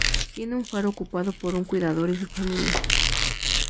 Tiene un faro ocupado por un cuidador y su familia.